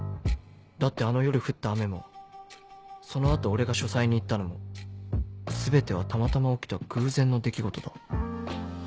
だってあの夜降った雨もその後俺が書斎に行ったのも全てはたまたま起きた偶然の出来事だ